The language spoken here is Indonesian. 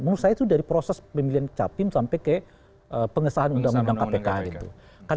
menurut saya itu dari proses pemilihan capim sampai ke pengesahan undang undang kpk gitu